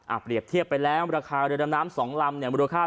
เปรียบเทียบไปแล้วราคาเรือดำน้ำสองลำเนี่ยมูลค่า